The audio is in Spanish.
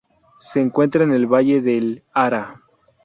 Se encuentra en el valle del Ara.